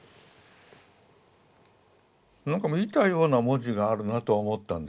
なんか見たような文字があるなとは思ったんです。